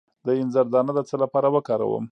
د انځر دانه د څه لپاره وکاروم؟